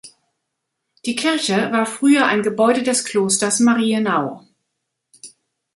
Die Kirche war früher ein Gebäude des Klosters Marienau.